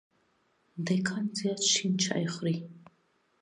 دیکان زیات شين چای څوروي.